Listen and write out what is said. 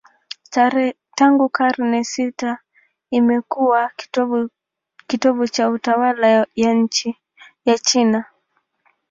Tangu karne sita imekuwa kitovu cha utawala wa China.